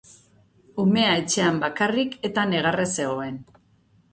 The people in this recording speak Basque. Umea etxean bakarrik eta negarrez zegoen.